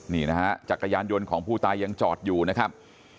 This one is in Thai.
นี่นะฮะจักรยานยนต์ของผู้ตายยังจอดอยู่นะครับ